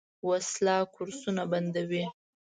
وسله کورسونه بندوي